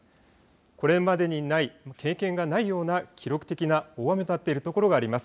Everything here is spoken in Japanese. これまでにない、経験がないような記録的な大雨となっている所があります。